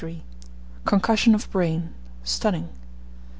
CONCUSSION OF BRAIN STUNNING.